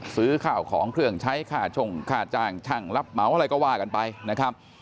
ซื้อข้าวของเครื่องใช้ค่าช่งค่าจ้างช่างรับเหมาอะไรก็ว่ากันไปนะครับ